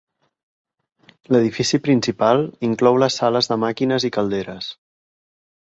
L'edifici principal inclou les sales de màquines i calderes.